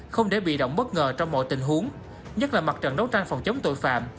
không để bị động bất ngờ trong mọi tình huống nhất là mặt trận đấu tranh phòng chống tội phạm